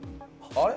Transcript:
あれ？